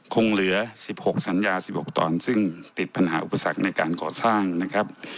คงเหลือ๑๖สัญญา๑๖ตอนซึ่งติดปัญหาอุปสรรคในการก่อสร้างนะครับ